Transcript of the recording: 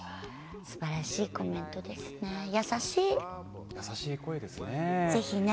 すばらしいコメントですね。